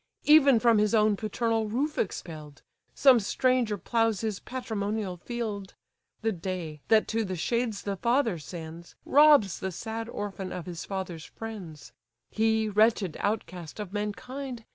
Even from his own paternal roof expell'd, Some stranger ploughs his patrimonial field. The day, that to the shades the father sends, Robs the sad orphan of his father's friends: He, wretched outcast of mankind!